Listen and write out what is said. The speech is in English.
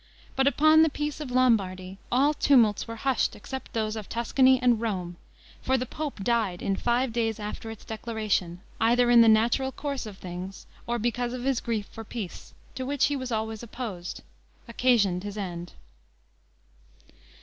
But upon the peace of Lombardy, all tumults were hushed except those of Tuscany and Rome; for the pope died in five days after its declaration, either in the natural course of things, or because his grief for peace, to which he was always opposed, occasioned his end.